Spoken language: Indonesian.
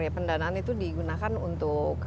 ya pendanaan itu digunakan untuk